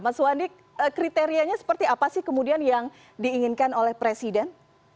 mas wandi kriterianya seperti apa sih kemudian yang diinginkan oleh presiden